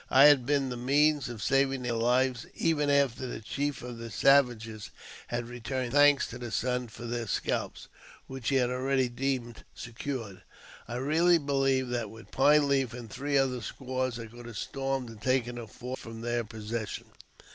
I had been the means of saving their lives even after the chief of the savages had returned thanks to the sun for their scalps, which he had already deemed secure. I really believe that with Pine Leaf and three other squaws, I could have stormed and taken the fort from their possession.